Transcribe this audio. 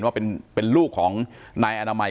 ว่าเป็นลูกของนายอนามัย